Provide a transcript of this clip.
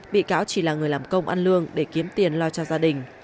bị cáo chỉ là người làm công ăn lương để kiếm tiền lo cho gia đình